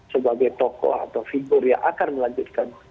sebagai tokoh atau figur yang akan melanjutkan